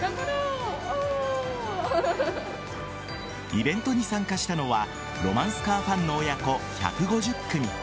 イベントに参加したのはロマンスカーファンの親子１５０組。